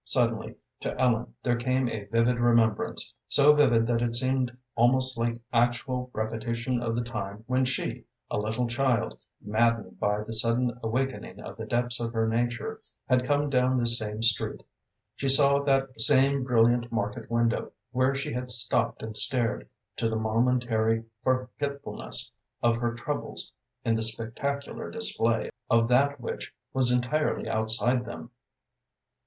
Suddenly to Ellen there came a vivid remembrance, so vivid that it seemed almost like actual repetition of the time when she, a little child, maddened by the sudden awakening of the depths of her nature, had come down this same street. She saw that same brilliant market window where she had stopped and stared, to the momentary forgetfulness of her troubles in the spectacular display of that which was entirely outside them.